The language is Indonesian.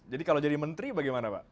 jadi kalau jadi menteri bagaimana pak